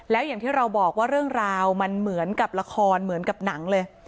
แล้วอย่างที่เราบอกว่าเรื่องราวมันเหมือนกับละครเหมือนกับหนังเลย